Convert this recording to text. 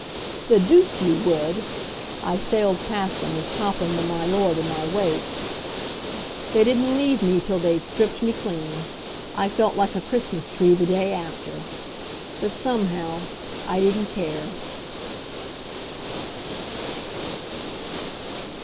"The deuce you would!" I sailed past him, with Topham and my Lord in my wake. They didn't leave me till they'd stripped me clean. I felt like a Christmas tree the day after. But, somehow, I didn't care.